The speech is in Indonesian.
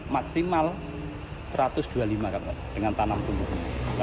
maksimal satu ratus dua puluh lima dengan tanam tumbuh